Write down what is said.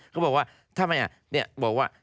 เขาบอกว่าทำไมบอกว่า